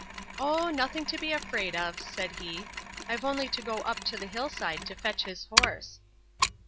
"Oh! nothing to be afraid of", said he; "I've only to go up to the hill side to fetch his horse."